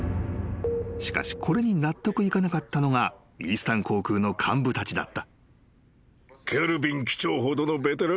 ［しかしこれに納得いかなかったのがイースタン航空の幹部たちだった］